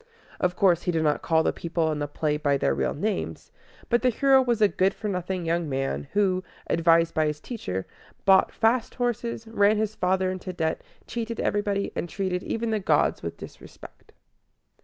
Of course, he did not call the people in the play by their real names; but the hero was a good for nothing young man, who, advised by his teacher, bought fast horses, ran his father into debt, cheated everybody, and treated even the gods with disrespect.